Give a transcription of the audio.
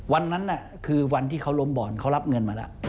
วันนั้นคือวันที่เขาล้มบ่อนเขารับเงินมาแล้ว